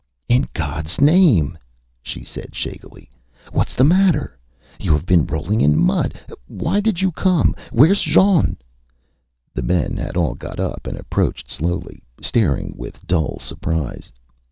ÂIn GodÂs name,Â she said, shakily, ÂwhatÂs the matter? You have been rolling in mud. ... Why did you come? ... WhereÂs Jean?Â The men had all got up and approached slowly, staring with dull surprise.